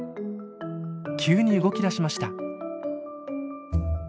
急に動きだしました。